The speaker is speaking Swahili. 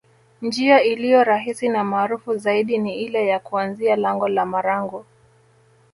Njia iliyo rahisi na maarufu zaidi ni ile ya kuanzia lango la Marangu